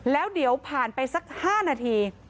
แล้วเดี๋ยวผ่านไปสัก๕นาที